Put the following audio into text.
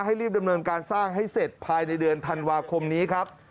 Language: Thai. รีบดำเนินการสร้างให้เสร็จภายในเดือนธันวาคมนี้ครับ